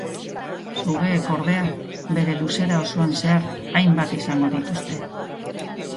Sugeek ordea bere luzera osoan zehar hainbat izango dituzte.